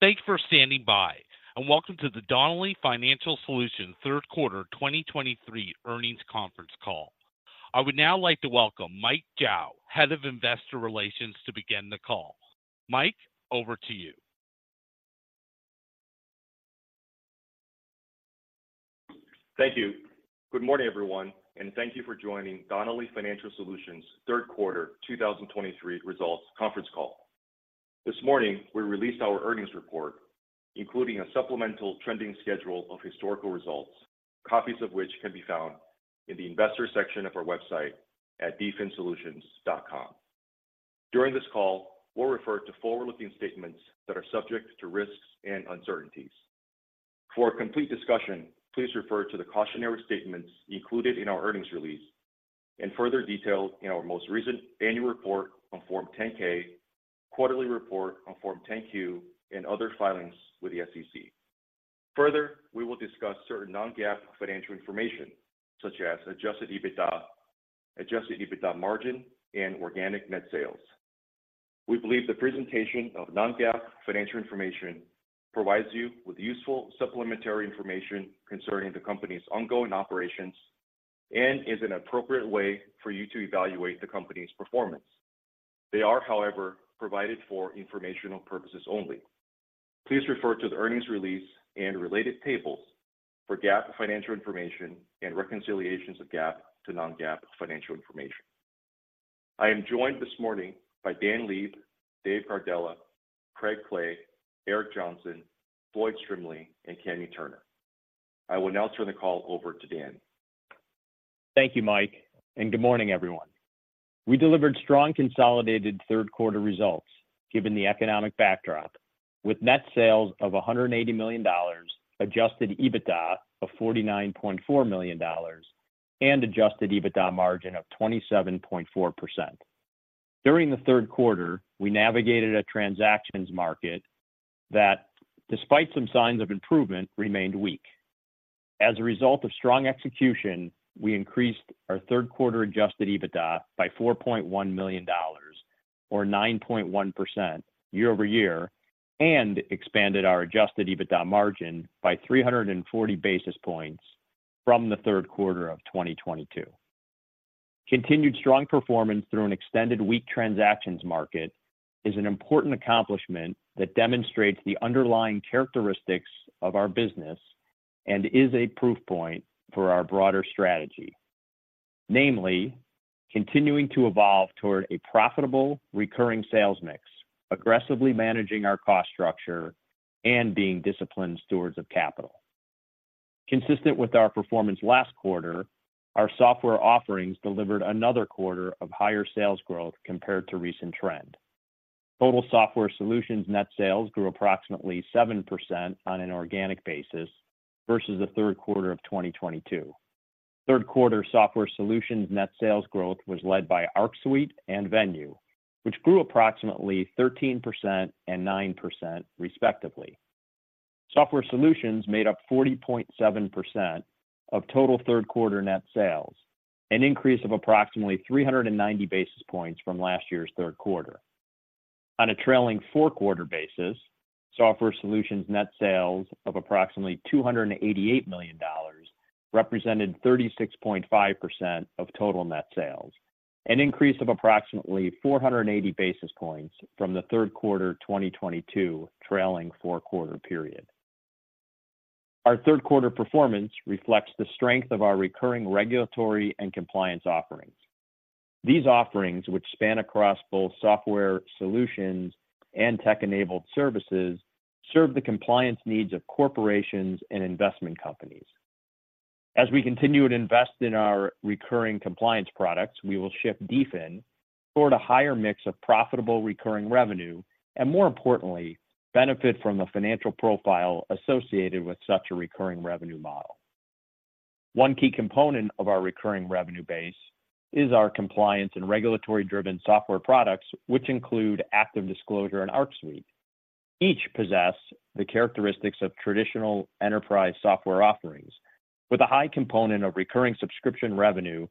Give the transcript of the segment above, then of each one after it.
Thanks for standing by, and welcome to the Donnelley Financial Solutions third quarter 2023 earnings conference call. I would now like to welcome Mike Zhao, Head of Investor Relations, to begin the call. Mike, over to you. Thank you. Good morning, everyone, and thank you for joining Donnelley Financial Solutions third quarter 2023 results conference call. This morning, we released our earnings report, including a supplemental trending schedule of historical results, copies of which can be found in the investor section of our website at dfinsolutions.com. During this call, we'll refer to forward-looking statements that are subject to risks and uncertainties. For a complete discussion, please refer to the cautionary statements included in our earnings release and further detailed in our most recent annual report on Form 10-K, quarterly report on Form 10-Q, and other filings with the SEC. Further, we will discuss certain non-GAAP financial information such as Adjusted EBITDA, Adjusted EBITDA Margin, and Organic Net Sales. We believe the presentation of non-GAAP financial information provides you with useful supplementary information concerning the company's ongoing operations and is an appropriate way for you to evaluate the company's performance. They are, however, provided for informational purposes only. Please refer to the earnings release and related tables for GAAP financial information and reconciliations of GAAP to non-GAAP financial information. I am joined this morning by Dan Leib, Dave Gardella, Craig Clay, Eric Johnson, Floyd Strimling, and Kenny Turner. I will now turn the call over to Dan. Thank you, Mike, and good morning, everyone. We delivered strong consolidated third quarter results, given the economic backdrop, with net sales of $180 million, adjusted EBITDA of $49.4 million, and adjusted EBITDA margin of 27.4%. During the third quarter, we navigated a transactions market that, despite some signs of improvement, remained weak. As a result of strong execution, we increased our third quarter adjusted EBITDA by $4.1 million or 9.1% year-over-year, and expanded our adjusted EBITDA margin by 340 basis points from the third quarter of 2022. Continued strong performance through an extended weak transactions market is an important accomplishment that demonstrates the underlying characteristics of our business and is a proof point for our broader strategy. Namely, continuing to evolve toward a profitable, recurring sales mix, aggressively managing our cost structure, and being disciplined stewards of capital. Consistent with our performance last quarter, our software offerings delivered another quarter of higher sales growth compared to recent trend. Total software solutions net sales grew approximately 7% on an organic basis versus the third quarter of 2022. Third quarter software solutions net sales growth was led by Arc Suite and Venue, which grew approximately 13% and 9%, respectively. Software solutions made up 40.7% of total third quarter net sales, an increase of approximately 390 basis points from last year's third quarter. On a trailing four-quarter basis, software solutions net sales of approximately $288 million represented 36.5% of total net sales, an increase of approximately 480 basis points from the third quarter 2022 trailing four-quarter period. Our third quarter performance reflects the strength of our recurring regulatory and compliance offerings. These offerings, which span across both software solutions and tech-enabled services, serve the compliance needs of corporations and investment companies. As we continue to invest in our recurring compliance products, we will shift DFIN toward a higher mix of profitable recurring revenue, and more importantly, benefit from the financial profile associated with such a recurring revenue model. One key component of our recurring revenue base is our compliance and regulatory-driven software products, which include ActiveDisclosure and Arc Suite. Each possess the characteristics of traditional enterprise software offerings, with a high component of recurring subscription revenue,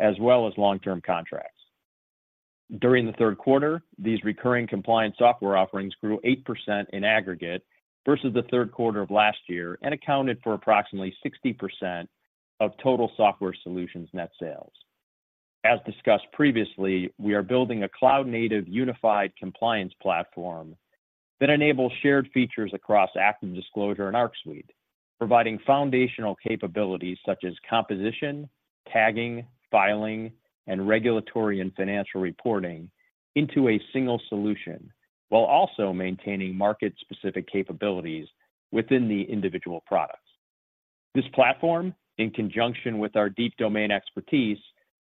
as well as long-term contracts. During the third quarter, these recurring compliance software offerings grew 8% in aggregate versus the third quarter of last year and accounted for approximately 60% of total software solutions net sales. As discussed previously, we are building a cloud-native unified compliance platform that enables shared features across ActiveDisclosure and Arc Suite, providing foundational capabilities such as composition, tagging, filing, and regulatory and financial reporting into a single solution, while also maintaining market-specific capabilities within the individual products. This platform, in conjunction with our deep domain expertise,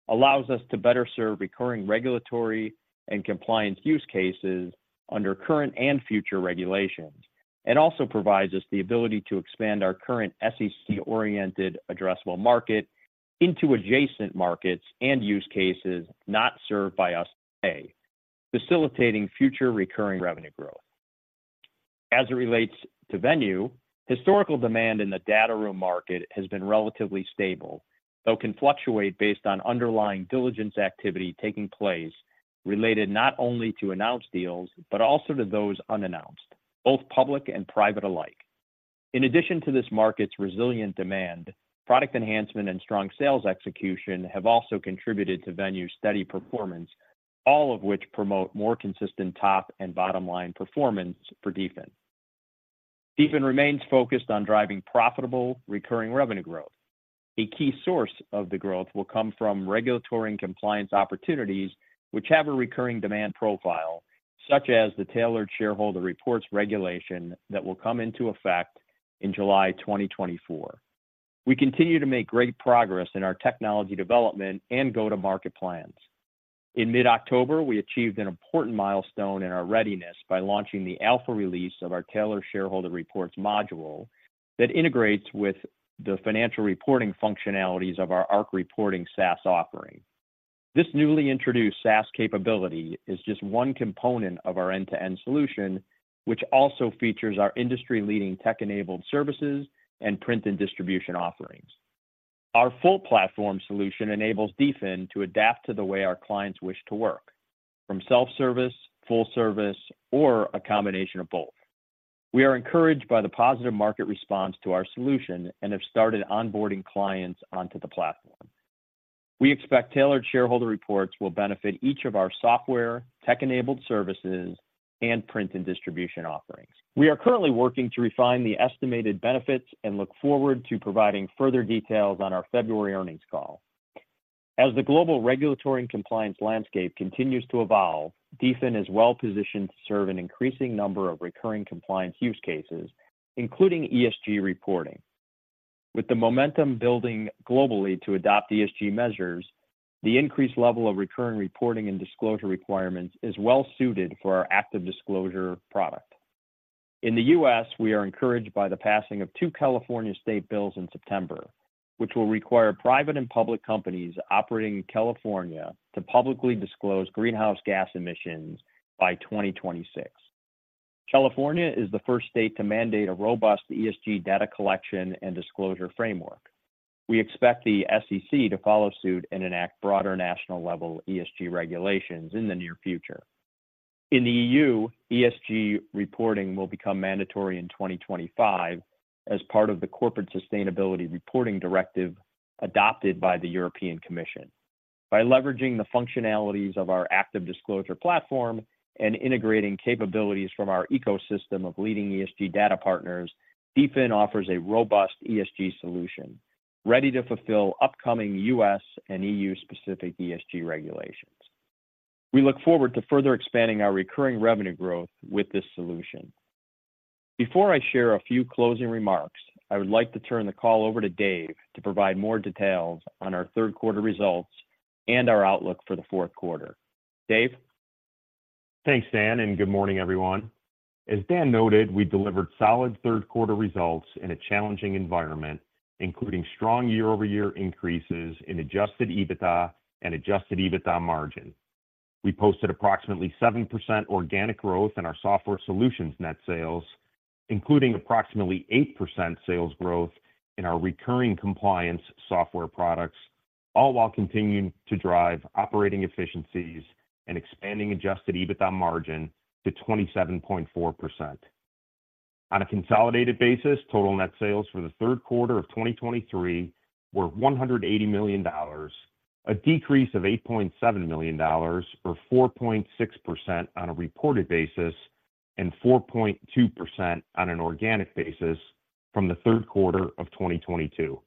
allows us to better serve recurring regulatory and compliance use cases under current and future regulations, and also provides us the ability to expand our current SEC-oriented addressable market into adjacent markets and use cases not served by us today, facilitating future recurring revenue growth. As it relates to Venue, historical demand in the data room market has been relatively stable, though can fluctuate based on underlying diligence activity taking place related not only to announced deals, but also to those unannounced, both public and private alike. In addition to this market's resilient demand, product enhancement and strong sales execution have also contributed to Venue's steady performance, all of which promote more consistent top and bottom line performance for DFIN. DFIN remains focused on driving profitable, recurring revenue growth. A key source of the growth will come from regulatory and compliance opportunities, which have a recurring demand profile, such as the Tailored Shareholder Reports regulation that will come into effect in July 2024. We continue to make great progress in our technology development and go-to-market plans. In mid-October, we achieved an important milestone in our readiness by launching the alpha release of our Tailored Shareholder Reports module that integrates with the financial reporting functionalities of our Arc Reporting SaaS offering. This newly introduced SaaS capability is just one component of our end-to-end solution, which also features our industry-leading tech-enabled services and print and distribution offerings. Our full platform solution enables DFIN to adapt to the way our clients wish to work, from self-service, full service, or a combination of both. We are encouraged by the positive market response to our solution and have started onboarding clients onto the platform. We expect Tailored Shareholder Reports will benefit each of our software, tech-enabled services, and print and distribution offerings. We are currently working to refine the estimated benefits and look forward to providing further details on our February earnings call. As the global regulatory and compliance landscape continues to evolve, DFIN is well-positioned to serve an increasing number of recurring compliance use cases, including ESG reporting. With the momentum building globally to adopt ESG measures, the increased level of recurring reporting and disclosure requirements is well suited for our ActiveDisclosure product. In the U.S., we are encouraged by the passing of two California state bills in September, which will require private and public companies operating in California to publicly disclose greenhouse gas emissions by 2026. California is the first state to mandate a robust ESG data collection and disclosure framework. We expect the SEC to follow suit and enact broader national level ESG regulations in the near future. In the EU, ESG reporting will become mandatory in 2025 as part of the Corporate Sustainability Reporting Directive adopted by the European Commission. By leveraging the functionalities of our ActiveDisclosure platform and integrating capabilities from our ecosystem of leading ESG data partners, DFIN offers a robust ESG solution, ready to fulfill upcoming U.S. and EU-specific ESG regulations. We look forward to further expanding our recurring revenue growth with this solution. Before I share a few closing remarks, I would like to turn the call over to Dave to provide more details on our third quarter results and our outlook for the fourth quarter. Dave? Thanks, Dan, and good morning, everyone. As Dan noted, we delivered solid third quarter results in a challenging environment, including strong year-over-year increases in adjusted EBITDA and adjusted EBITDA margin. We posted approximately 7% organic growth in our software solutions net sales, including approximately 8% sales growth in our recurring compliance software products, all while continuing to drive operating efficiencies and expanding adjusted EBITDA margin to 27.4%. On a consolidated basis, total net sales for the third quarter of 2023 were $180 million, a decrease of $8.7 million, or 4.6% on a reported basis and 4.2% on an organic basis from the third quarter of 2022.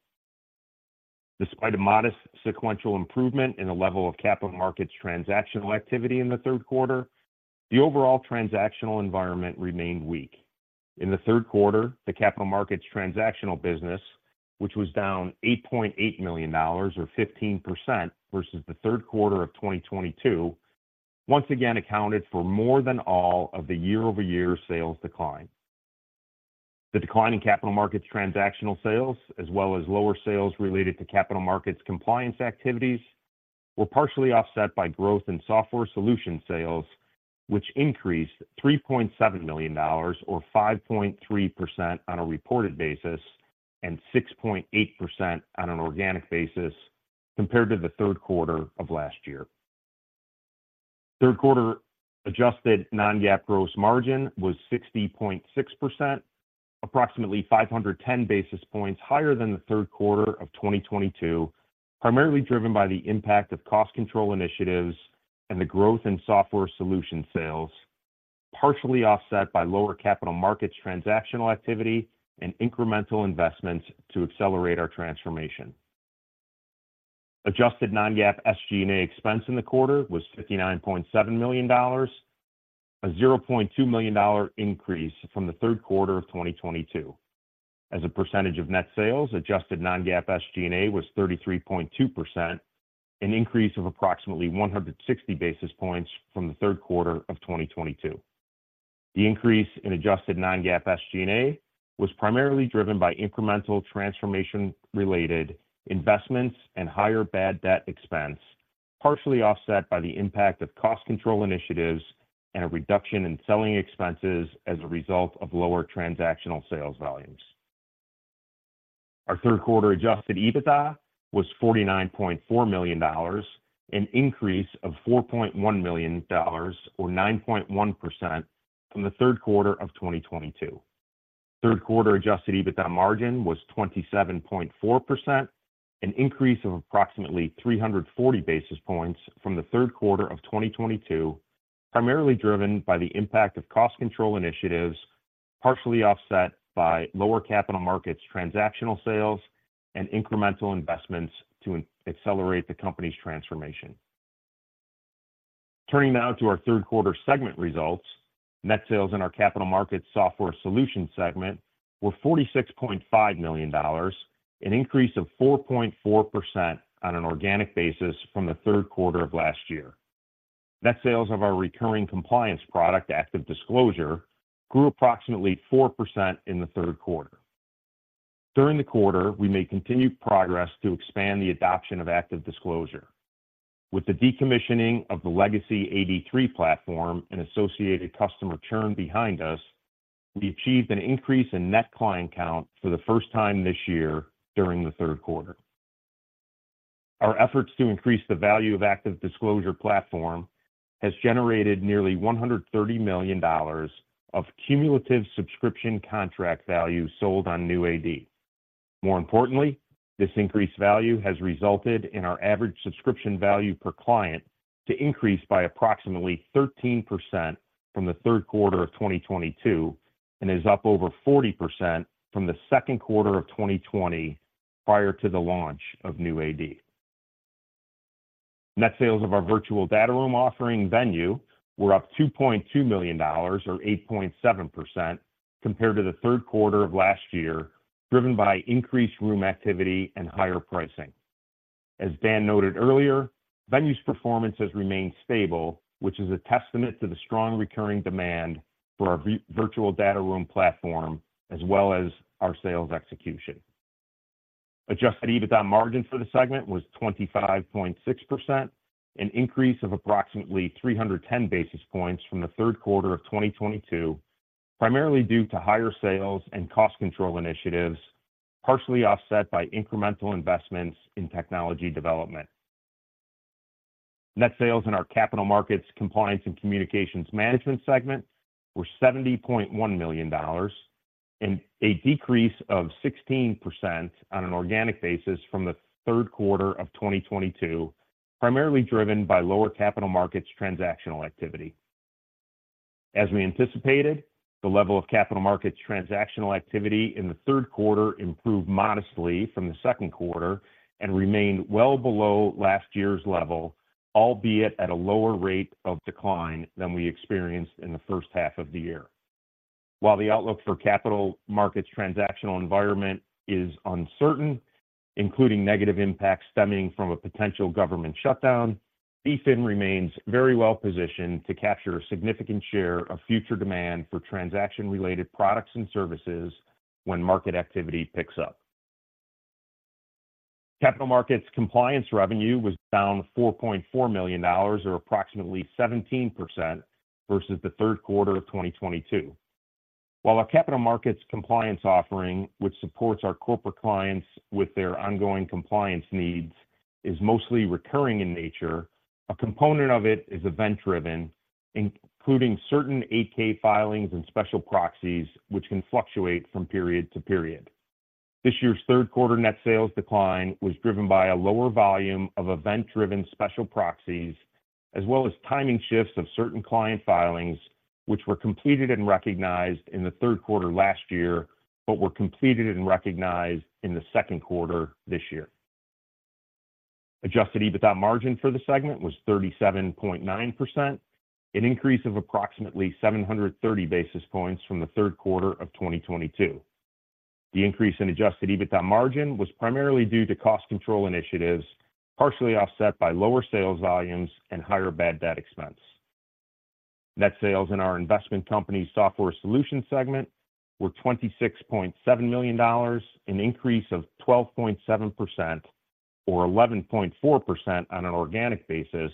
Despite a modest sequential improvement in the level of capital markets transactional activity in the third quarter, the overall transactional environment remained weak. In the third quarter, the capital markets transactional business, which was down $8.8 million or 15% versus the third quarter of 2022, once again accounted for more than all of the year-over-year sales decline. The decline in capital markets transactional sales, as well as lower sales related to capital markets compliance activities, were partially offset by growth in software solution sales, which increased $3.7 million or 5.3% on a reported basis and 6.8% on an organic basis compared to the third quarter of last year. Third quarter adjusted non-GAAP gross margin was 60.6%, approximately 510 basis points higher than the third quarter of 2022, primarily driven by the impact of cost control initiatives and the growth in software solution sales, partially offset by lower capital markets transactional activity and incremental investments to accelerate our transformation. Adjusted non-GAAP SG&A expense in the quarter was $59.7 million, a $0.2 million increase from the third quarter of 2022. As a percentage of net sales, adjusted non-GAAP SG&A was 33.2%, an increase of approximately 160 basis points from the third quarter of 2022. The increase in adjusted non-GAAP SG&A was primarily driven by incremental transformation-related investments and higher bad debt expense, partially offset by the impact of cost control initiatives and a reduction in selling expenses as a result of lower transactional sales volumes. Our third quarter adjusted EBITDA was $49.4 million, an increase of $4.1 million, or 9.1% from the third quarter of 2022. Third quarter adjusted EBITDA margin was 27.4%, an increase of approximately 340 basis points from the third quarter of 2022, primarily driven by the impact of cost control initiatives, partially offset by lower capital markets, transactional sales, and incremental investments to accelerate the company's transformation. Turning now to our third quarter segment results. Net sales in our capital markets software solutions segment were $46.5 million, an increase of 4.4% on an organic basis from the third quarter of last year. Net sales of our recurring compliance product, ActiveDisclosure, grew approximately 4% in the third quarter. During the quarter, we made continued progress to expand the adoption of ActiveDisclosure. With the decommissioning of the legacy AD3 platform and associated customer churn behind us, we achieved an increase in net client count for the first time this year during the third quarter. Our efforts to increase the value of ActiveDisclosure platform has generated nearly $130 million of cumulative subscription contract value sold on new AD. More importantly, this increased value has resulted in our average subscription value per client to increase by approximately 13% from the third quarter of 2022, and is up over 40% from the second quarter of 2020 prior to the launch of new AD. Net sales of our virtual data room offering, Venue, were up $2.2 million or 8.7% compared to the third quarter of last year, driven by increased room activity and higher pricing. As Dan noted earlier, Venue's performance has remained stable, which is a testament to the strong recurring demand for our virtual data room platform, as well as our sales execution. Adjusted EBITDA margin for the segment was 25.6%, an increase of approximately 310 basis points from the third quarter of 2022, primarily due to higher sales and cost control initiatives, partially offset by incremental investments in technology development. Net sales in our capital markets compliance and communications management segment were $70.1 million, and a decrease of 16% on an organic basis from the third quarter of 2022, primarily driven by lower capital markets transactional activity. As we anticipated, the level of capital markets transactional activity in the third quarter improved modestly from the second quarter and remained well below last year's level, albeit at a lower rate of decline than we experienced in the first half of the year. While the outlook for capital markets transactional environment is uncertain, including negative impacts stemming from a potential government shutdown, DFIN remains very well-positioned to capture a significant share of future demand for transaction-related products and services when market activity picks up. Capital markets compliance revenue was down $4.4 million, or approximately 17% versus the third quarter of 2022. While our capital markets compliance offering, which supports our corporate clients with their ongoing compliance needs, is mostly recurring in nature, a component of it is event-driven, including certain 8-K filings and special proxies, which can fluctuate from period to period. This year's third quarter net sales decline was driven by a lower volume of event-driven special proxies, as well as timing shifts of certain client filings, which were completed and recognized in the third quarter last year, but were completed and recognized in the second quarter this year. Adjusted EBITDA margin for the segment was 37.9%, an increase of approximately 730 basis points from the third quarter of 2022. The increase in adjusted EBITDA margin was primarily due to cost control initiatives, partially offset by lower sales volumes and higher bad debt expense. Net sales in our investment company software solutions segment were $26.7 million, an increase of 12.7% or 11.4% on an organic basis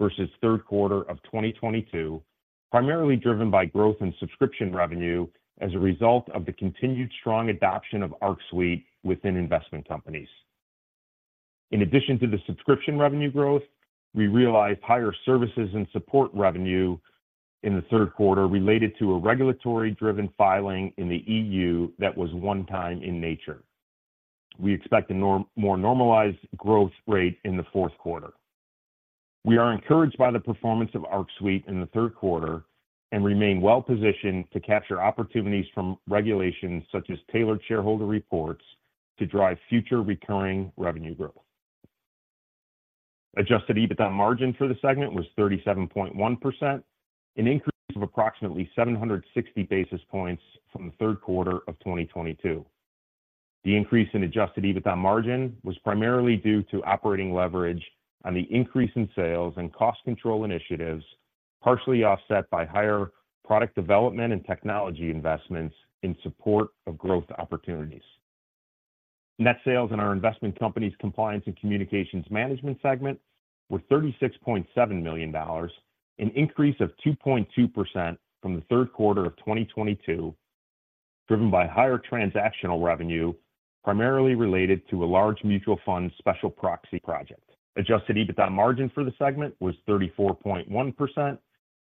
versus third quarter of 2022, primarily driven by growth in subscription revenue as a result of the continued strong adoption of Arc Suite within investment companies. In addition to the subscription revenue growth, we realized higher services and support revenue in the third quarter related to a regulatory-driven filing in the EU that was one time in nature. We expect a more normalized growth rate in the fourth quarter. We are encouraged by the performance of Arc Suite in the third quarter and remain well-positioned to capture opportunities from regulations such as Tailored Shareholder Reports to drive future recurring revenue growth. Adjusted EBITDA margin for the segment was 37.1%, an increase of approximately 760 basis points from the third quarter of 2022. The increase in adjusted EBITDA margin was primarily due to operating leverage on the increase in sales and cost control initiatives, partially offset by higher product development and technology investments in support of growth opportunities. Net sales in our investment companies compliance and communications management segment were $36.7 million, an increase of 2.2% from the third quarter of 2022, driven by higher transactional revenue, primarily related to a large mutual fund special proxy project. Adjusted EBITDA margin for the segment was 34.1%,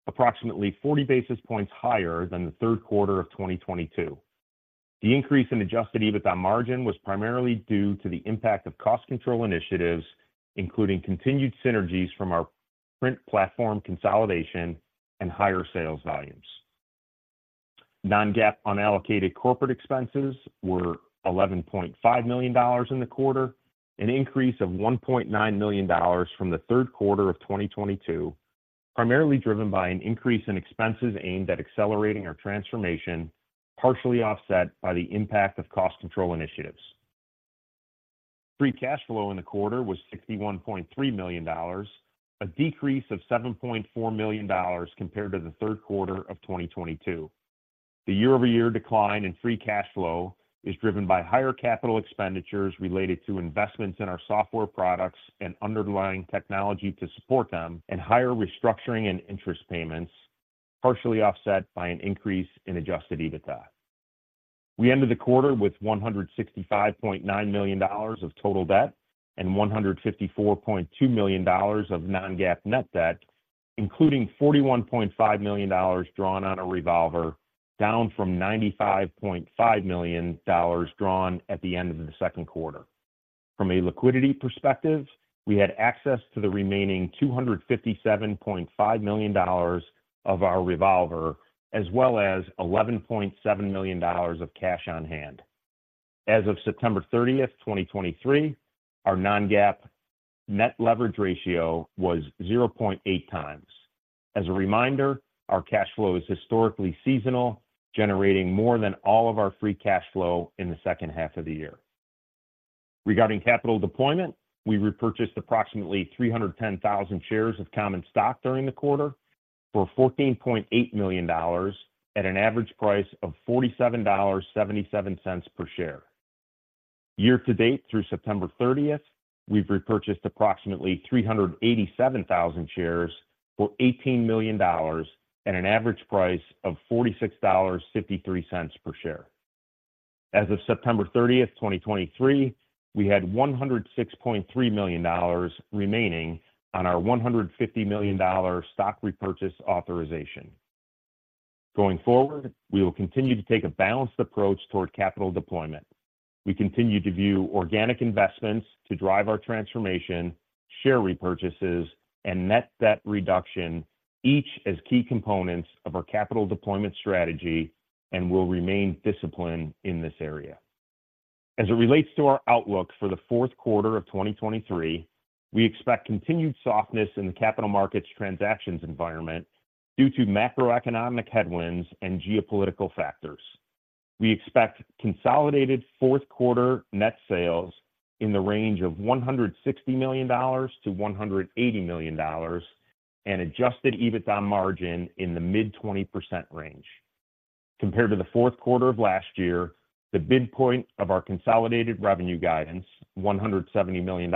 approximately 40 basis points higher than the third quarter of 2022. The increase in Adjusted EBITDA margin was primarily due to the impact of cost control initiatives, including continued synergies from our print platform consolidation and higher sales volumes. Non-GAAP unallocated corporate expenses were $11.5 million in the quarter, an increase of $1.9 million from the third quarter of 2022, primarily driven by an increase in expenses aimed at accelerating our transformation, partially offset by the impact of cost control initiatives. Free Cash Flow in the quarter was $61.3 million, a decrease of $7.4 million compared to the third quarter of 2022. The year-over-year decline in Free Cash Flow is driven by higher capital expenditures related to investments in our software products and underlying technology to support them, and higher restructuring and interest payments, partially offset by an increase in Adjusted EBITDA. We ended the quarter with $165.9 million of total debt and $154.2 million of non-GAAP net debt, including $41.5 million drawn on a revolver, down from $95.5 million drawn at the end of the second quarter. From a liquidity perspective, we had access to the remaining $257.5 million of our revolver, as well as $11.7 million of cash on hand. As of September 30, 2023, our non-GAAP net leverage ratio was 0.8 times. As a reminder, our cash flow is historically seasonal, generating more than all of our free cash flow in the second half of the year. Regarding capital deployment, we repurchased approximately 310,000 shares of common stock during the quarter for $14.8 million at an average price of $47.77 per share. Year to date through September 30, 2023, we've repurchased approximately 387,000 shares for $18 million at an average price of $46.53 per share. As of September 30, 2023, we had $106.3 million remaining on our $150 million stock repurchase authorization. Going forward, we will continue to take a balanced approach toward capital deployment. We continue to view organic investments to drive our transformation, share repurchases, and net debt reduction, each as key components of our capital deployment strategy and will remain disciplined in this area. As it relates to our outlook for the fourth quarter of 2023, we expect continued softness in the capital markets transactions environment due to macroeconomic headwinds and geopolitical factors. We expect consolidated fourth quarter net sales in the range of $160 million-$180 million and adjusted EBITDA margin in the mid-20% range. Compared to the fourth quarter of last year, the midpoint of our consolidated revenue guidance, $170 million,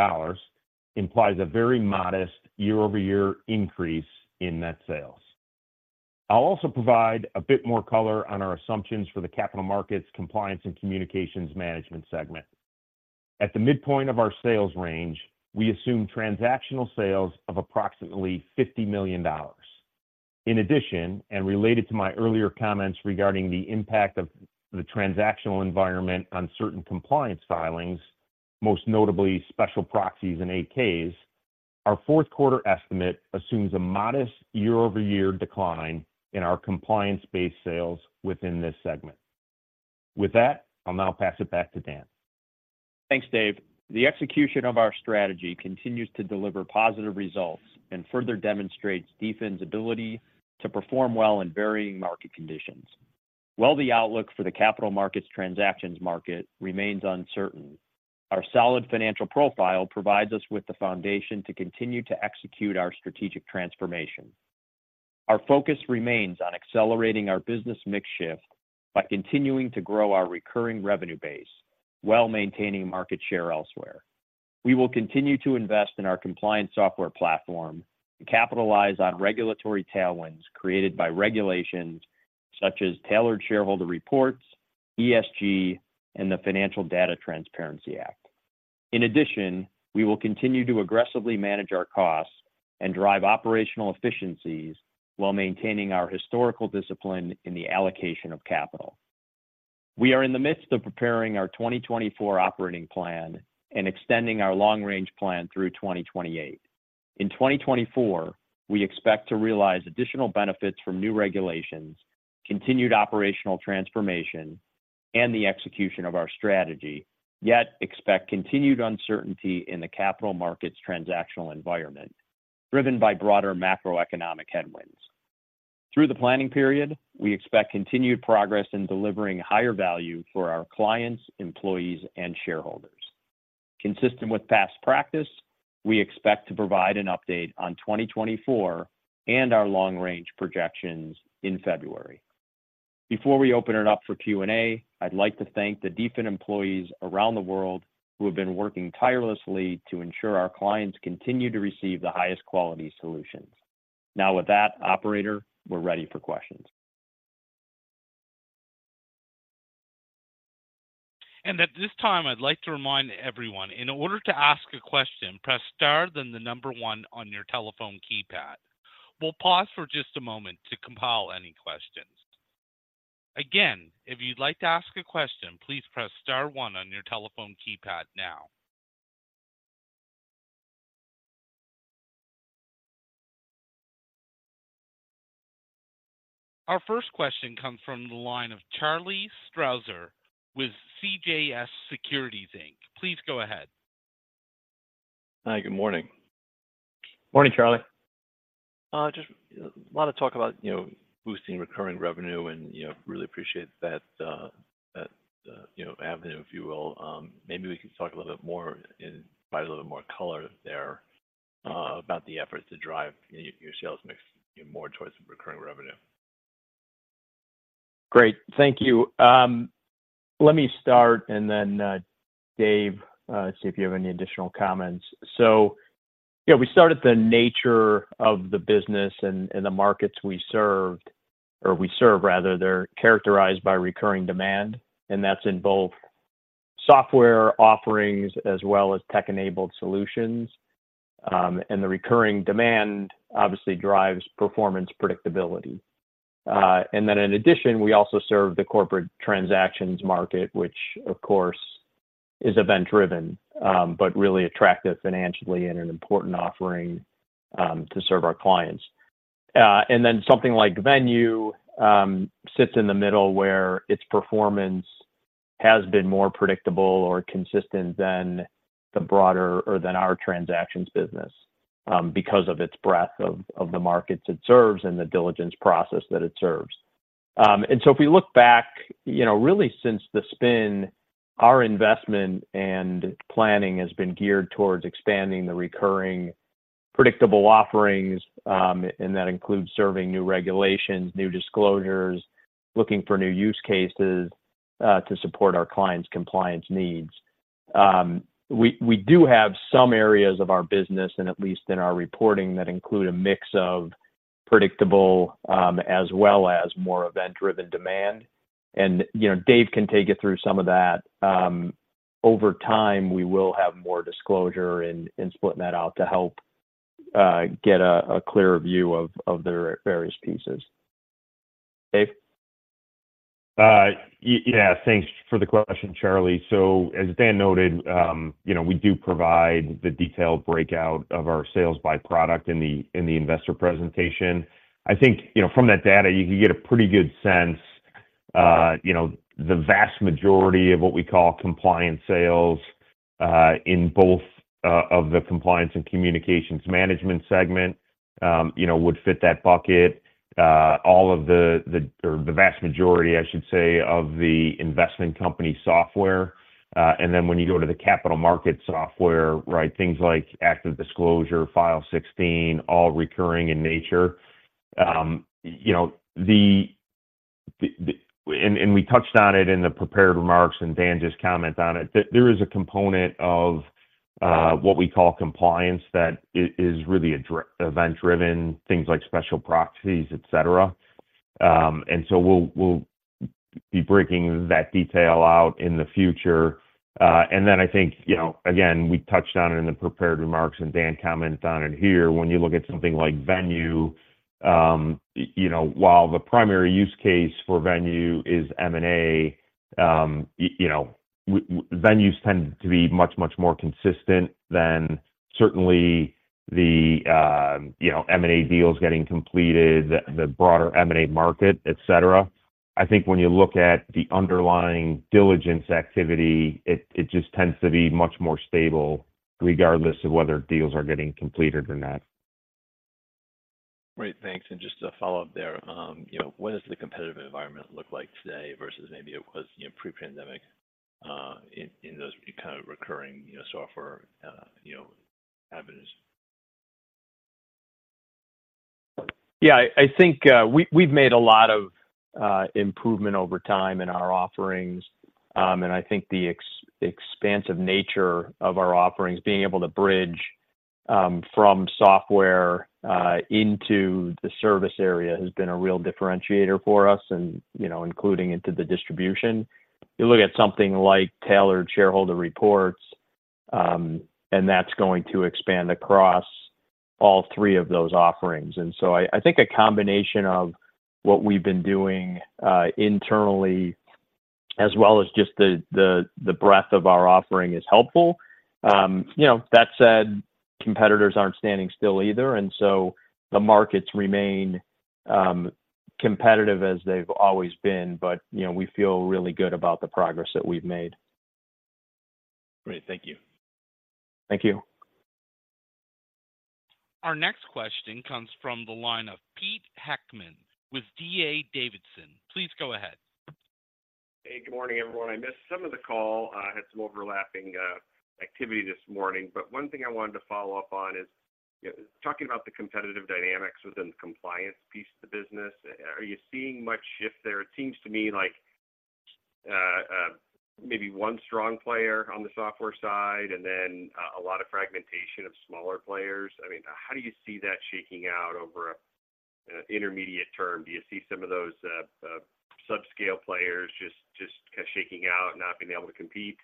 implies a very modest year-over-year increase in net sales. I'll also provide a bit more color on our assumptions for the capital markets, compliance and communications management segment. At the midpoint of our sales range, we assume transactional sales of approximately $50 million. In addition, and related to my earlier comments regarding the impact of the transactional environment on certain compliance filings, most notably special proxies and 8-Ks, our fourth quarter estimate assumes a modest year-over-year decline in our compliance-based sales within this segment. With that, I'll now pass it back to Dan. Thanks, Dave. The execution of our strategy continues to deliver positive results and further demonstrates DFIN's ability to perform well in varying market conditions. While the outlook for the capital markets transactions market remains uncertain, our solid financial profile provides us with the foundation to continue to execute our strategic transformation. Our focus remains on accelerating our business mix shift by continuing to grow our recurring revenue base while maintaining market share elsewhere. We will continue to invest in our compliance software platform and capitalize on regulatory tailwinds created by regulations such as Tailored Shareholder Reports, ESG, and the Financial Data Transparency Act. In addition, we will continue to aggressively manage our costs and drive operational efficiencies while maintaining our historical discipline in the allocation of capital. We are in the midst of preparing our 2024 operating plan and extending our long-range plan through 2028. In 2024, we expect to realize additional benefits from new regulations, continued operational transformation, and the execution of our strategy, yet expect continued uncertainty in the capital markets transactional environment, driven by broader macroeconomic headwinds. Through the planning period, we expect continued progress in delivering higher value for our clients, employees, and shareholders. Consistent with past practice, we expect to provide an update on 2024 and our long-range projections in February... Before we open it up for Q&A, I'd like to thank the DFIN employees around the world who have been working tirelessly to ensure our clients continue to receive the highest quality solutions. Now, with that, operator, we're ready for questions. At this time, I'd like to remind everyone, in order to ask a question, press Star, then the number one on your telephone keypad. We'll pause for just a moment to compile any questions. Again, if you'd like to ask a question, please press Star one on your telephone keypad now. Our first question comes from the line of Charles Strauzer with CJS Securities, Inc. Please go ahead. Hi, good morning. Morning, Charles. Just a lot of talk about, you know, boosting recurring revenue, and, you know, really appreciate that, you know, avenue, if you will. Maybe we could talk a little bit more and provide a little bit more color there, about the efforts to drive your sales mix, more towards recurring revenue. Great, thank you. Let me start, and then, Dave, see if you have any additional comments. So, yeah, we start with the nature of the business and the markets we served, or we serve, rather, they're characterized by recurring demand, and that's in both software offerings as well as tech-enabled solutions. And the recurring demand obviously drives performance predictability. And then in addition, we also serve the corporate transactions market, which of course, is event-driven, but really attractive financially and an important offering, to serve our clients. And then something like Venue sits in the middle, where its performance has been more predictable or consistent than the broader or than our transactions business, because of its breadth of the markets it serves and the diligence process that it serves. And so if we look back, you know, really since the spin, our investment and planning has been geared towards expanding the recurring predictable offerings, and that includes serving new regulations, new disclosures, looking for new use cases, to support our clients' compliance needs. We do have some areas of our business, and at least in our reporting, that include a mix of predictable, as well as more event-driven demand. And, you know, Dave can take you through some of that. Over time, we will have more disclosure in splitting that out to help get a clearer view of the various pieces. Dave? Yeah, thanks for the question, Charles. So as Dan noted, you know, we do provide the detailed breakout of our sales by product in the investor presentation. I think, you know, from that data, you can get a pretty good sense, you know, the vast majority of what we call compliance sales in both of the Compliance and Communications Management segment, you know, would fit that bucket. All of the, or the vast majority, I should say, of the investment company software. And then when you go to the capital market software, right, things like ActiveDisclosure, File 16, all recurring in nature. You know, and we touched on it in the prepared remarks, and Dan just commented on it, that there is a component of what we call compliance, that is really event-driven, things like special proxies, et cetera. And so we'll be breaking that detail out in the future. And then I think, you know, again, we touched on it in the prepared remarks, and Dan commented on it here. When you look at something like Venue, you know, while the primary use case for Venue is M&A, you know, Venue's tend to be much, much more consistent than certainly the, you know, M&A deals getting completed, the broader M&A market, et cetera. I think when you look at the underlying diligence activity, it just tends to be much more stable, regardless of whether deals are getting completed or not. Great, thanks. Just to follow up there, you know, what does the competitive environment look like today versus maybe it was, you know, pre-pandemic, in those kind of recurring, you know, software, you know, avenues? Yeah, I think we've made a lot of improvement over time in our offerings. And I think the expansive nature of our offerings, being able to bridge from software into the service area, has been a real differentiator for us and, you know, including into the distribution. You look at something like Tailored Shareholder Reports, and that's going to expand across all three of those offerings. And so I think a combination of what we've been doing internally, as well as just the breadth of our offering is helpful. You know, that said, competitors aren't standing still either, and so the markets remain competitive as they've always been. But, you know, we feel really good about the progress that we've made. Great. Thank you. Thank you. Our next question comes from the line of Pete Heckmann with D.A. Davidson. Please go ahead.... Hey, good morning, everyone. I missed some of the call. I had some overlapping activity this morning, but one thing I wanted to follow up on is, talking about the competitive dynamics within the compliance piece of the business, are you seeing much shift there? It seems to me like, maybe one strong player on the software side and then a lot of fragmentation of smaller players. I mean, how do you see that shaking out over an intermediate term? Do you see some of those subscale players just kind of shaking out, not being able to compete,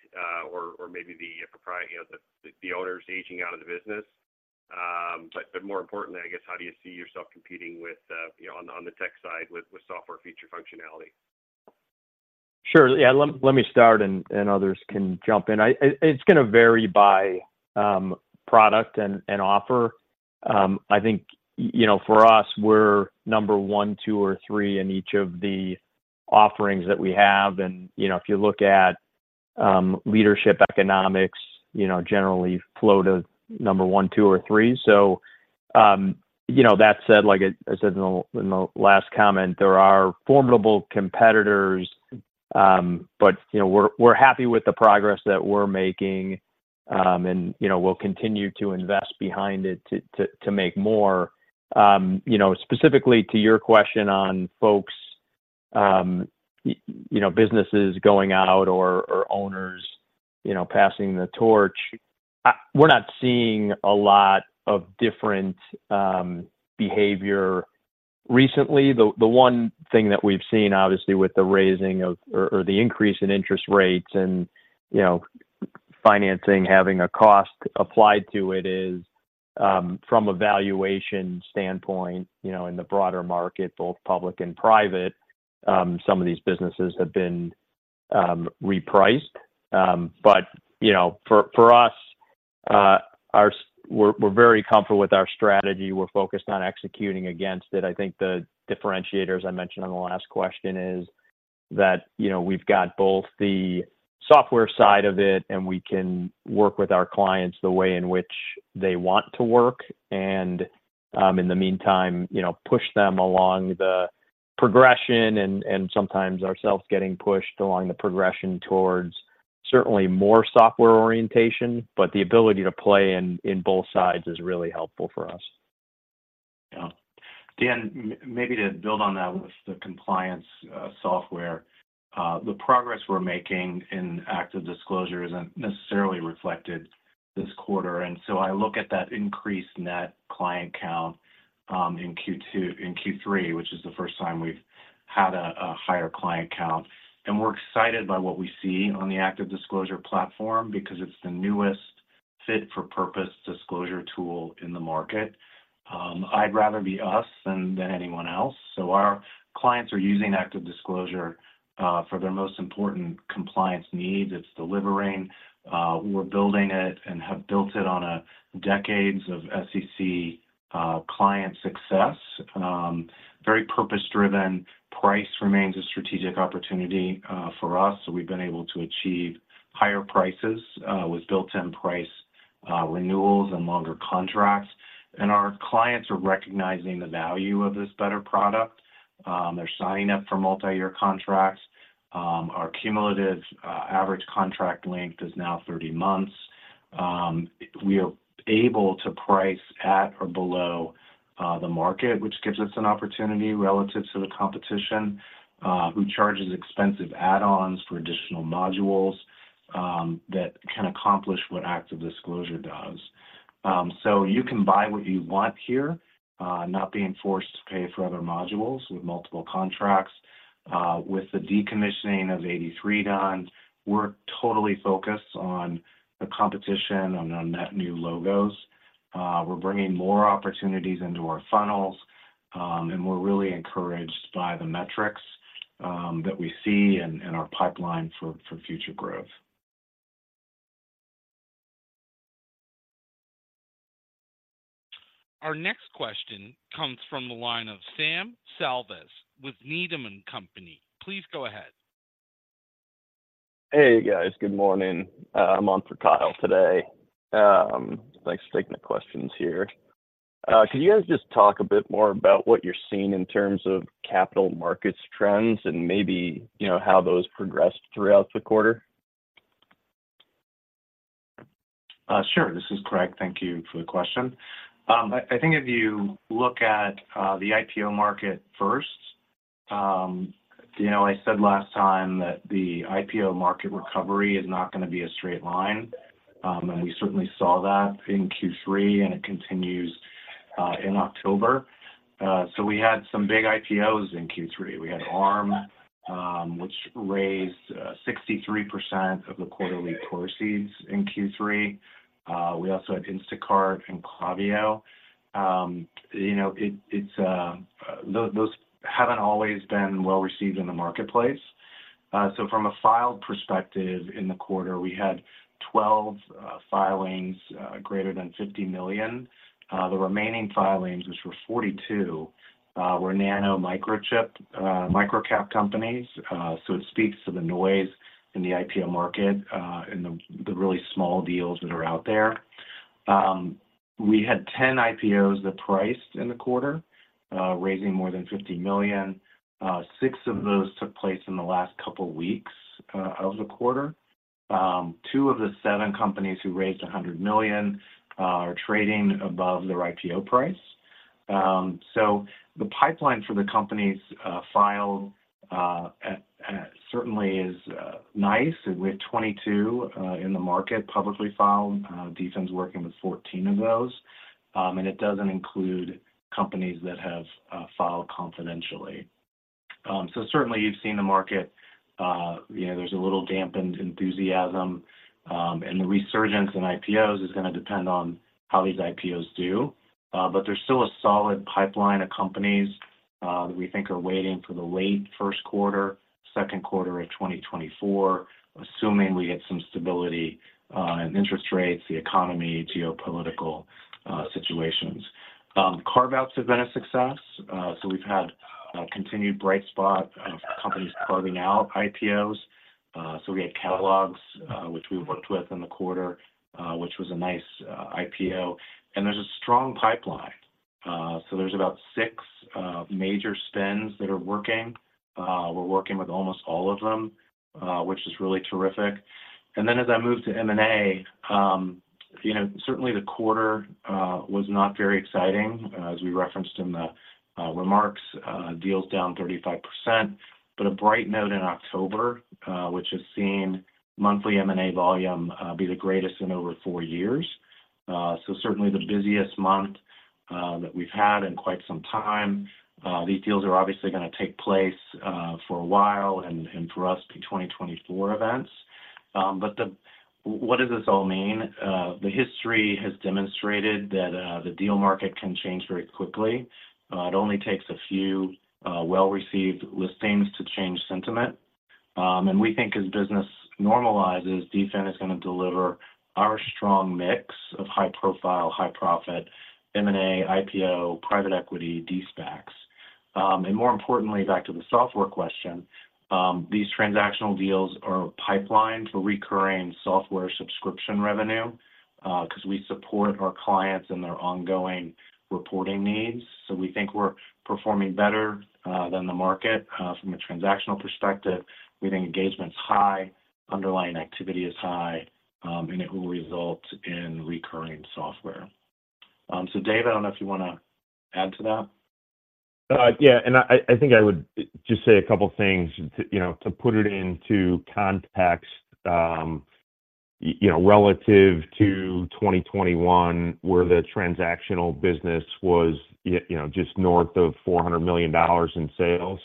or maybe the propri-- you know, the owners aging out of the business? But more importantly, I guess, how do you see yourself competing with, you know, on the tech side with software feature functionality? Sure. Yeah, let me start, and others can jump in. It's gonna vary by product and offer. I think, you know, for us, we're number one, two, or three in each of the offerings that we have. And, you know, if you look at leadership economics, you know, generally flow to number one, two, or three. So, you know, that said, like I said in the last comment, there are formidable competitors, but, you know, we're happy with the progress that we're making. And, you know, we'll continue to invest behind it to make more. You know, specifically to your question on folks, you know, businesses going out or owners passing the torch, we're not seeing a lot of different behavior recently. The one thing that we've seen, obviously, with the raising of, or the increase in interest rates and, you know, financing having a cost applied to it, is, from a valuation standpoint, you know, in the broader market, both public and private, some of these businesses have been repriced. But, you know, for us, we're very comfortable with our strategy. We're focused on executing against it. I think the differentiator, as I mentioned on the last question, is that, you know, we've got both the software side of it, and we can work with our clients the way in which they want to work and, in the meantime, you know, push them along the progression, and sometimes ourselves getting pushed along the progression towards certainly more software orientation, but the ability to play in both sides is really helpful for us. Yeah. Dan, maybe to build on that with the compliance software, the progress we're making in ActiveDisclosure isn't necessarily reflected this quarter, and so I look at that increased net client count in Q3, which is the first time we've had a higher client count. And we're excited by what we see on the ActiveDisclosure platform because it's the newest fit-for-purpose disclosure tool in the market. I'd rather be us than anyone else. So our clients are using ActiveDisclosure for their most important compliance needs. It's delivering, we're building it and have built it on a decades of SEC client success. Very purpose-driven. Price remains a strategic opportunity for us, so we've been able to achieve higher prices with built-in price renewals and longer contracts. Our clients are recognizing the value of this better product. They're signing up for multiyear contracts. Our cumulative average contract length is now 30 months. We are able to price at or below the market, which gives us an opportunity relative to the competition who charges expensive add-ons for additional modules that can accomplish what ActiveDisclosure does. So you can buy what you want here, not being forced to pay for other modules with multiple contracts. With the decommissioning of AD3 done, we're totally focused on the competition on the net new logos. We're bringing more opportunities into our funnels, and we're really encouraged by the metrics that we see in our pipeline for future growth. Our next question comes from the line of Sam Salvas with Needham & Company. Please go ahead. Hey, guys. Good morning. I'm on for Kyle today. Thanks for taking the questions here. Can you guys just talk a bit more about what you're seeing in terms of capital markets trends and maybe, you know, how those progressed throughout the quarter? Sure. This is Craig. Thank you for the question. I think if you look at the IPO market first, you know, I said last time that the IPO market recovery is not gonna be a straight line. And we certainly saw that in Q3, and it continues in October. So we had some big IPOs in Q3. We had Arm, which raised 63% of the quarterly proceeds in Q3. We also had Instacart and Klaviyo. You know, it, it's... Those, those haven't always been well received in the marketplace. So from a file perspective, in the quarter, we had 12 filings greater than $50 million. The remaining filings, which were 42, were nano, micro-cap companies. So it speaks to the noise in the IPO market, and the really small deals that are out there... We had 10 IPOs that priced in the quarter, raising more than $50 million. Six of those took place in the last couple of weeks of the quarter. Two of the seven companies who raised $100 million are trading above their IPO price. So the pipeline for the companies that filed certainly is nice. We have 22 in the market, publicly filed. DFIN's working with 14 of those, and it doesn't include companies that have filed confidentially. So certainly you've seen the market, you know, there's a little dampened enthusiasm, and the resurgence in IPOs is gonna depend on how these IPOs do. But there's still a solid pipeline of companies that we think are waiting for the late first quarter, second quarter of 2024, assuming we get some stability in interest rates, the economy, geopolitical situations. Carve-outs have been a success, so we've had a continued bright spot of companies carving out IPOs. So we had Klaviyo, which we worked with in the quarter, which was a nice IPO. And there's a strong pipeline. So there's about 6 major spins that are working. We're working with almost all of them, which is really terrific. And then as I move to M&A, you know, certainly the quarter was not very exciting, as we referenced in the remarks, deals down 35%. But a bright note in October, which has seen monthly M&A volume be the greatest in over four years. So certainly the busiest month that we've had in quite some time. These deals are obviously gonna take place for a while, and for us, be 2024 events. But what does this all mean? The history has demonstrated that the deal market can change very quickly. It only takes a few well-received listings to change sentiment. And we think as business normalizes, DFIN is gonna deliver our strong mix of high profile, high profit, M&A, IPO, private equity, de-SPACs. And more importantly, back to the software question, these transactional deals are a pipeline for recurring software subscription revenue, 'cause we support our clients and their ongoing reporting needs. So we think we're performing better than the market. From a transactional perspective, we think engagement is high, underlying activity is high, and it will result in recurring software. So, Dave, I don't know if you wanna add to that? Yeah, and I think I would just say a couple of things to, you know, to put it into context. You know, relative to 2021, where the transactional business was you know, just north of $400 million in sales,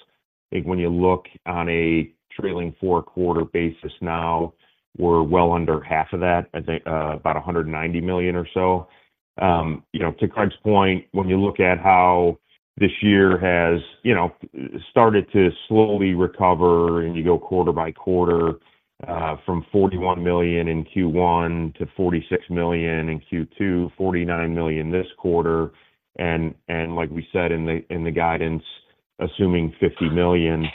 I think when you look on a trailing four-quarter basis now, we're well under half of that, I think, about $190 million or so. You know, to Craig's point, when you look at how this year has, you know, started to slowly recover and you go quarter by quarter, from $41 million in Q1 to $46 million in Q2, $49 million this quarter, and like we said in the guidance, assuming $50 million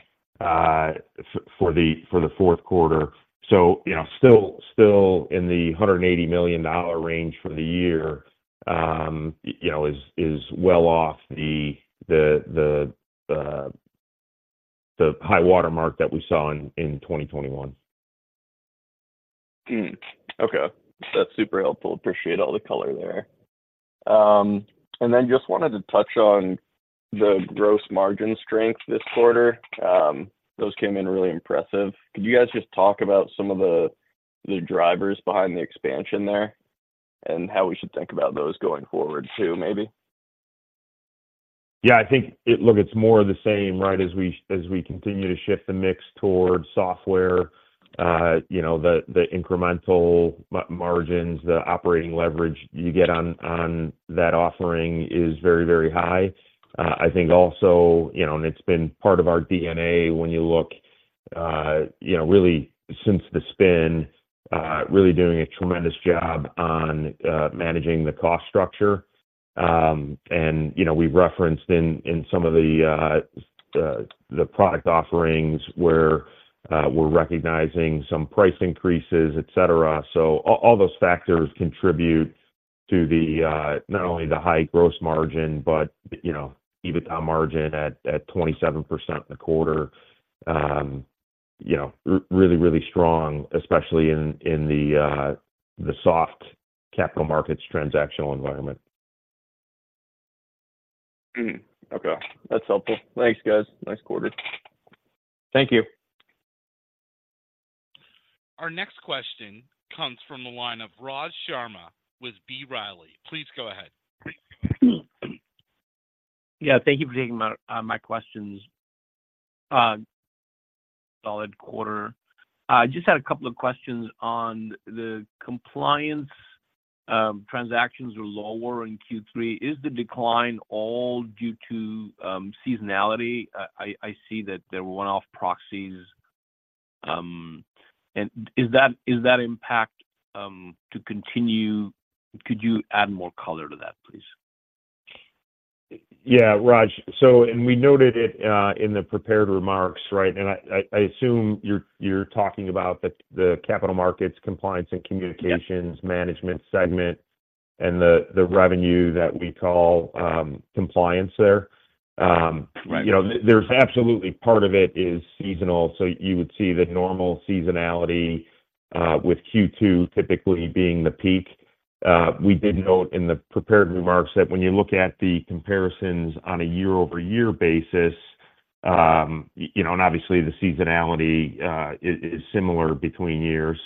for the fourth quarter. So, you know, still in the $180 million range for the year, you know, is well off the high water mark that we saw in 2021. Hmm. Okay, that's super helpful. Appreciate all the color there. And then just wanted to touch on the gross margin strength this quarter. Those came in really impressive. Could you guys just talk about some of the, the drivers behind the expansion there, and how we should think about those going forward, too, maybe? Yeah, I think. Look, it's more of the same, right? As we, as we continue to shift the mix towards software, you know, the, the incremental margins, the operating leverage you get on that offering is very, very high. I think also, you know, and it's been part of our DNA when you look, you know, really since the spin, really doing a tremendous job on managing the cost structure. And, you know, we've referenced in some of the product offerings where we're recognizing some price increases, et cetera. So all those factors contribute to the not only the high gross margin, but, you know, EBITDA margin at 27% in the quarter. You know, really, really strong, especially in the soft capital markets transactional environment. Okay. That's helpful. Thanks, guys. Nice quarter. Thank you. Our next question comes from the line of Raj Sharma with B. Riley. Please go ahead. Yeah, thank you for taking my, my questions. Solid quarter. I just had a couple of questions on the compliance, transactions were lower in Q3. Is the decline all due to, seasonality? I see that there were one-off proxies. And is that, is that impact to continue? Could you add more color to that, please? ... Yeah, Raj. So we noted it in the prepared remarks, right? And I assume you're talking about the capital markets, compliance and communications- Yeah management segment and the revenue that we call compliance there. Right. You know, there's absolutely part of it is seasonal, so you would see the normal seasonality with Q2 typically being the peak. We did note in the prepared remarks that when you look at the comparisons on a year-over-year basis, you know, and obviously, the seasonality is similar between years.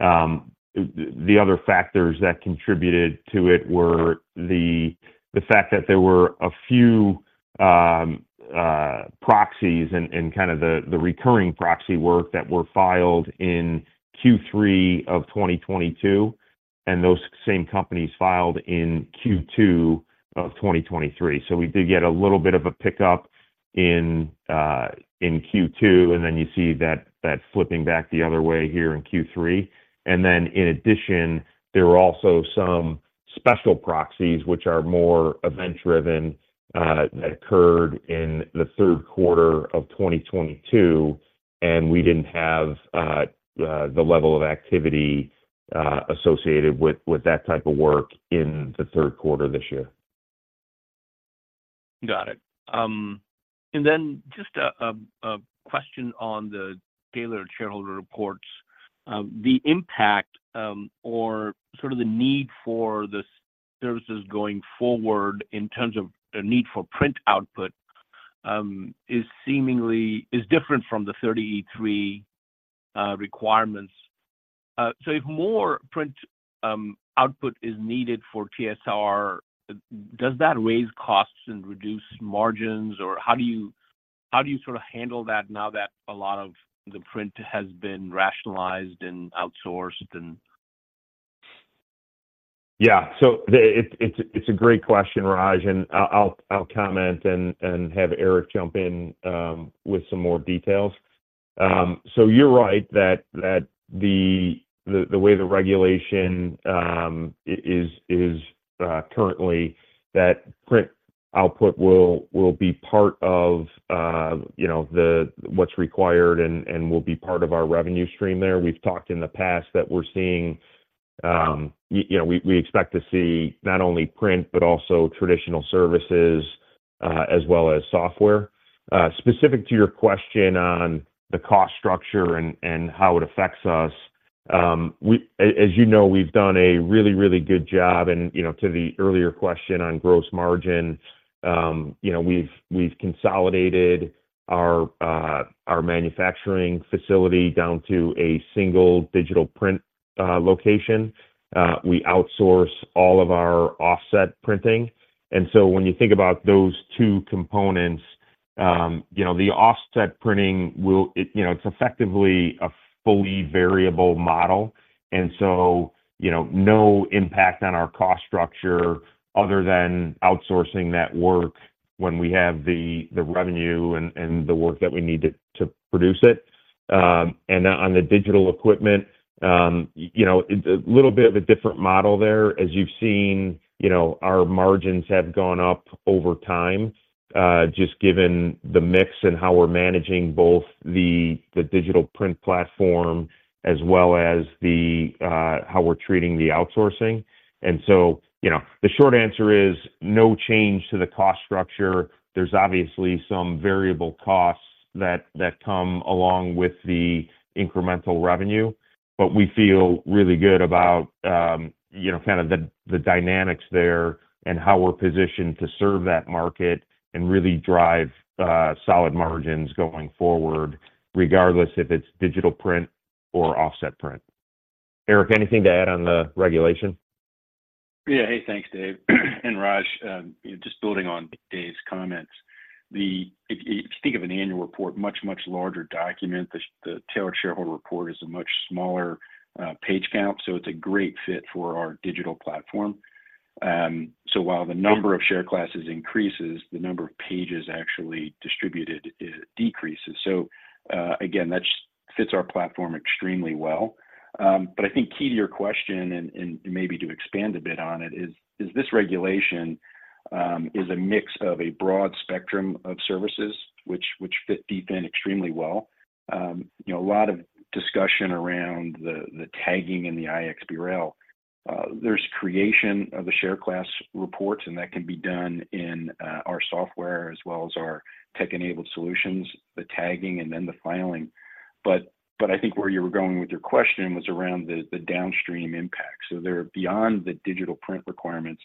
The other factors that contributed to it were the fact that there were a few proxies and kind of the recurring proxy work that were filed in Q3 of 2022, and those same companies filed in Q2 of 2023. So we did get a little bit of a pickup in Q2, and then you see that flipping back the other way here in Q3. And then in addition, there were also some special proxies, which are more event-driven, that occurred in the third quarter of 2022, and we didn't have the level of activity associated with that type of work in the third quarter this year. Got it. And then just a question on the Tailored Shareholder Reports. The impact, or sort of the need for the services going forward in terms of the need for print output, is seemingly - is different from the 33 requirements. So if more print output is needed for TSR, does that raise costs and reduce margins, or how do you sort of handle that now that a lot of the print has been rationalized and outsourced and- Yeah. So it's a great question, Raj, and I'll comment and have Eric jump in with some more details. So you're right that the way the regulation is currently, that print output will be part of you know what's required and will be part of our revenue stream there. We've talked in the past that we're seeing you know we expect to see not only print but also traditional services as well as software. Specific to your question on the cost structure and how it affects us, we, as you know, we've done a really, really good job and, you know, to the earlier question on gross margin, you know, we've consolidated our manufacturing facility down to a single digital print location. We outsource all of our offset printing. And so when you think about those two components, you know, the offset printing will... It, you know, it's effectively a fully variable model, and so, you know, no impact on our cost structure other than outsourcing that work when we have the revenue and the work that we need to produce it. And on the digital equipment, you know, a little bit of a different model there. As you've seen, you know, our margins have gone up over time, just given the mix and how we're managing both the, the digital print platform as well as the, how we're treating the outsourcing. And so, you know, the short answer is no change to the cost structure. There's obviously some variable costs that, that come along with the incremental revenue, but we feel really good about, you know, kind of the, the dynamics there and how we're positioned to serve that market and really drive, solid margins going forward, regardless if it's digital print or offset print. Eric, anything to add on the regulation? Yeah. Hey, thanks, Dave. And Raj, just building on Dave's comments. If you think of an annual report, much larger document, the tailored shareholder report is a much smaller page count, so it's a great fit for our digital platform. So while the number of share classes increases, the number of pages actually distributed decreases. So again, that fits our platform extremely well. But I think key to your question, and maybe to expand a bit on it, is this regulation is a mix of a broad spectrum of services which fit DFIN extremely well. You know, a lot of discussion around the tagging and the iXBRL. There's creation of the share class reports, and that can be done in our software as well as our tech-enabled solutions, the tagging, and then the filing. But I think where you were going with your question was around the downstream impact. So they're beyond the digital print requirements.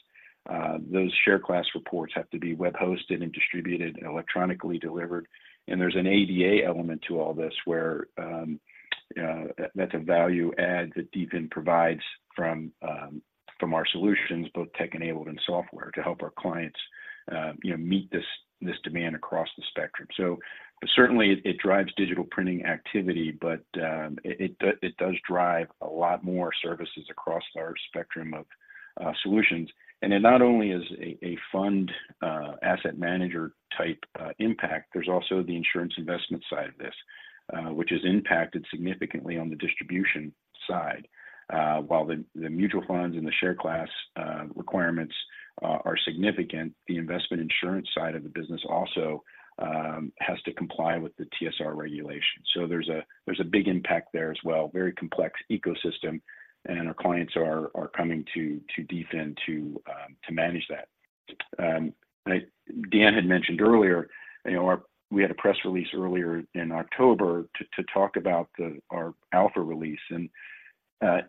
Those share class reports have to be web hosted and distributed, electronically delivered, and there's an ADA element to all this where that's a value add that DFIN provides from our solutions, both tech-enabled and software, to help our clients you know meet this demand across the spectrum. So certainly, it drives digital printing activity, but it does drive a lot more services across our spectrum of solutions. It not only is a fund asset manager type impact, there's also the insurance investment side of this, which has impacted significantly on the distribution side. While the mutual funds and the share class requirements are significant, the investment insurance side of the business also has to comply with the TSR regulation. So there's a big impact there as well. Very complex ecosystem, and our clients are coming to DFIN to manage that. Dan had mentioned earlier, you know, we had a press release earlier in October to talk about our alpha release.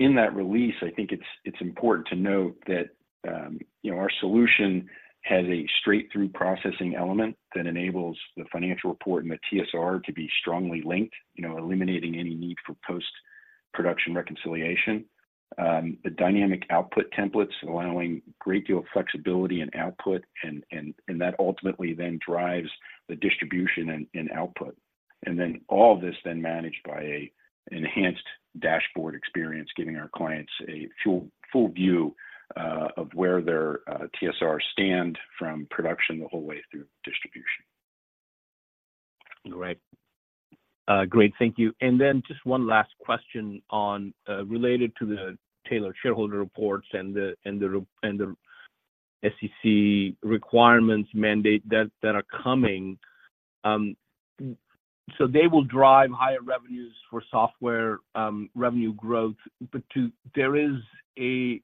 In that release, I think it's important to note that, you know, our solution has a straight-through processing element that enables the financial report and the TSR to be strongly linked, you know, eliminating any need for post-production reconciliation. The dynamic output templates allowing a great deal of flexibility and output, and that ultimately then drives the distribution and output. And then all this then managed by an enhanced dashboard experience, giving our clients a full view of where their TSR stand from production the whole way through distribution. Great. Great, thank you. And then just one last question on related to the Tailored Shareholder Reports and the SEC requirements mandate that are coming. So they will drive higher revenues for software revenue growth, but to... There is a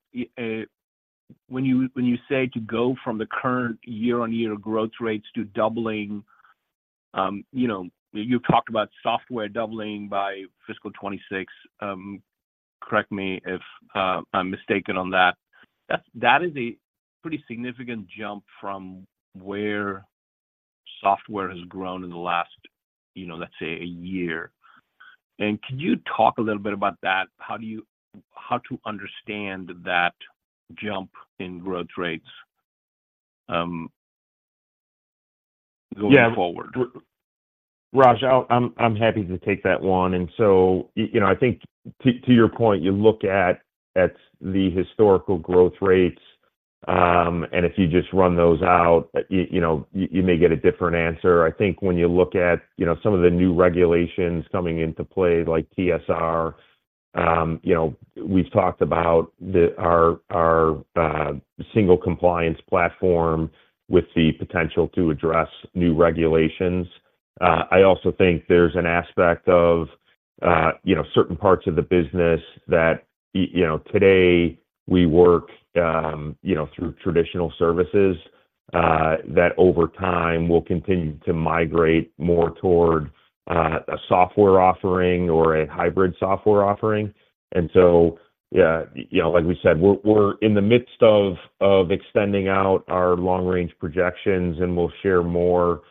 when you, when you say to go from the current year-on-year growth rates to doubling, you know, you talked about software doubling by fiscal 2026, correct me if I'm mistaken on that. That is a pretty significant jump from where software has grown in the last, you know, let's say, a year. And can you talk a little bit about that? How do you... How to understand that jump in growth rates going forward? Yeah, Raj, I'm happy to take that one. And so, you know, I think to your point, you look at the historical growth rates, and if you just run those out, you know, you may get a different answer. I think when you look at, you know, some of the new regulations coming into play, like TSR, you know, we've talked about our single compliance platform with the potential to address new regulations. I also think there's an aspect of, you know, certain parts of the business that, you know, today we work through traditional services, that over time will continue to migrate more toward a software offering or a hybrid software offering. And so, you know, like we said, we're in the midst of extending out our long-range projections, and we'll share more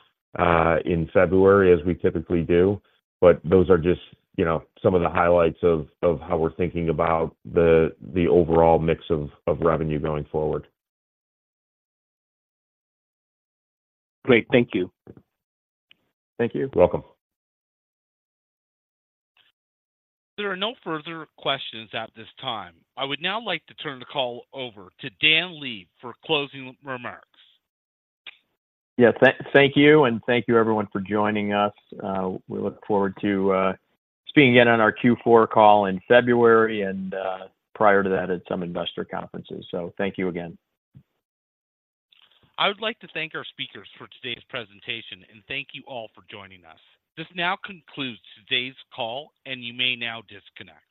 in February, as we typically do. But those are just, you know, some of the highlights of how we're thinking about the overall mix of revenue going forward. Great. Thank you. Thank you. Welcome. There are no further questions at this time. I aould now like to turn the call over to Dan Leib for closing remarks. Yes, thank you, and thank you, everyone, for joining us. We look forward to speaking again on our Q4 call in February and, prior to that, at some investor conferences. Thank you again. I would like to thank our speakers for today's presentation, and thank you all for joining us. This now concludes today's call, and you may now disconnect.